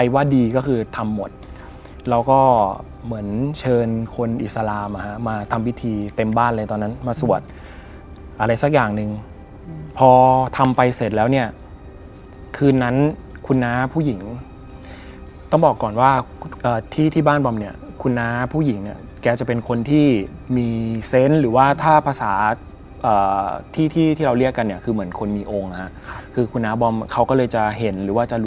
อยากให้คนรักให้คนหลงให้ผีกะช่วย